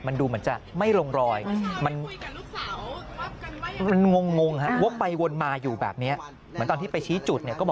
มันดูเหมือนจะไม่รงรอย